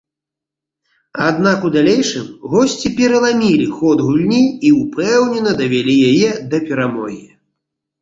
Аднак у далейшым госці пераламілі ход гульні і ўпэўнена давялі яе да перамогі.